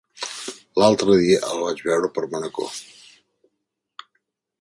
L'altre dia el vaig veure per Manacor.